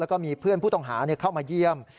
แล้วก็มีเพื่อนผู้ต้องหาเข้ามาเยี่ยม